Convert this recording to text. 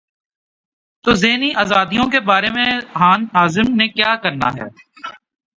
تو ذہنی آزادیوں کے بارے میں خان اعظم نے کیا کرنا ہے۔